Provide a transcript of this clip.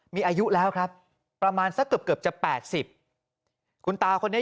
มีอายุแล้วครับประมาณสักเกือบเกือบจะ๘๐คุณตาคนนี้